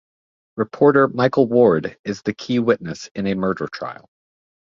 Reporter Michael Ward is the key witness in a murder trial.